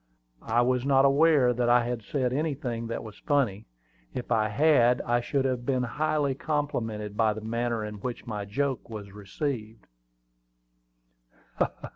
I was not aware that I had said anything that was funny: if I had, I should have been highly complimented by the manner in which my joke was received.